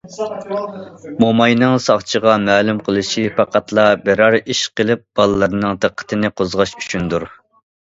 موماينىڭ ساقچىغا مەلۇم قىلىشى پەقەتلا بىرەر ئىش قىلىپ باللىرىنىڭ دىققىتىنى قوزغاش ئۈچۈندۇر.